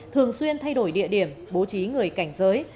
thường xuyên thay đổi địa điểm bố trí người cảnh giới